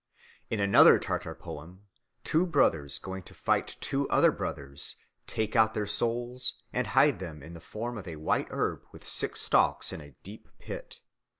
In another Tartar poem, two brothers going to fight two other brothers take out their souls and hide them in the form of a white herb with six stalks in a deep pit.